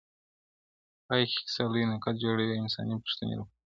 پای کي کيسه لوی نقد جوړوي انساني پوښتني راپورته کوي,